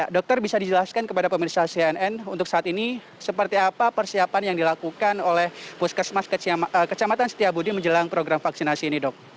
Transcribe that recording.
dokter bisa dijelaskan kepada pemerintah cnn untuk saat ini seperti apa persiapan yang dilakukan oleh puskesmas kecamatan setiabudi menjelang program vaksinasi ini dok